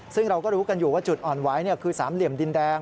ซึ่งเราก็รู้กันอยู่ว่าจุดอ่อนไหวคือสามเหลี่ยมดินแดง